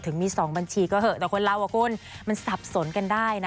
มี๒บัญชีก็เหอะแต่คนเราอ่ะคุณมันสับสนกันได้นะ